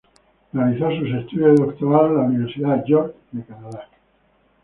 Realizó sus estudios de doctorado en la Universidad York de Canadá.